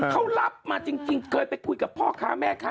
เขารับมาจริงเคยไปคุยกับพ่อค้าแม่ค้า